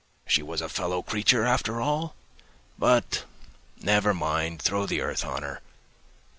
She was a fellow creature, after all! But, never mind, throw the earth on her.